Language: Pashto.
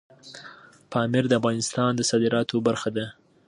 پامیر د افغانستان د صادراتو برخه ده.